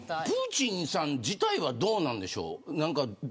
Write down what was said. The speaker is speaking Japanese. プーチンさん自体はどうなんでしょう。